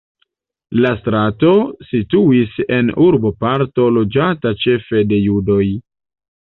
La strato situis en urboparto loĝata ĉefe de judoj.